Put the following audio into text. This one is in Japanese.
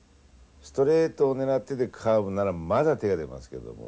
ストレートを狙っててカーブならまだ手が出ますけども。